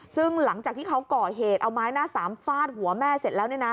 ซึ่งหลังจากที่เขาก่อเหตุเอาไม้หน้าสามฟาดหัวแม่เสร็จแล้ว